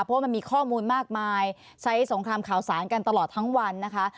เพราะว่ามันมีข้อมูลมากมายใช้สงครามข่าวสารกันตลอดทั้งวันนะคะ